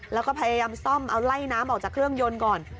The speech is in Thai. แล้วก็พยายามซ่อมเอาไล่น้ำออกจากเครื่องยนต์ก่อน